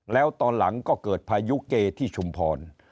แล้วตอนหลังก็เกิดพายุเกที่ชุมพร